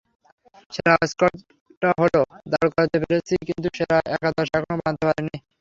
সেরা স্কোয়াডটা হয়তো দাঁড় করাতে পেরেছি, কিন্তু সেরা একাদশ এখনো বানাতে পারিনি।